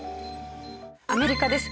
アメリカです。